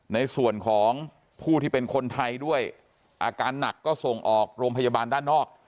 ในส่วนของผู้ที่เป็นคนไทยด้วยอาการหนักก็ส่งออกโรงพยาบาลด้านนอก